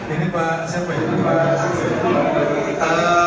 ini pak siapa ya